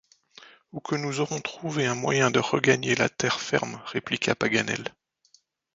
Ou que nous aurons trouvé un moyen de regagner la terre ferme, répliqua Paganel.